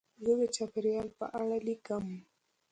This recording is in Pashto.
زه د چاپېریال په اړه لیکم.